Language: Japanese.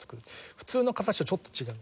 普通の形とちょっと違う。